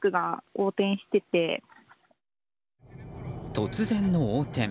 突然の横転。